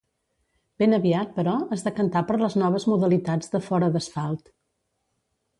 Ben aviat, però, es decantà per les noves modalitats de fora d'asfalt.